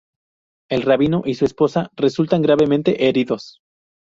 El rabino y su esposa resultan gravemente heridos.